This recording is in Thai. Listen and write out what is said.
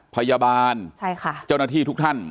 พยาบาลเจ้าหน้าที่ทุกท่าน